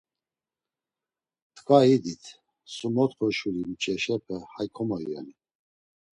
T̆ǩva idit, sumotxo şuri mç̌eşepe hay komoyonit.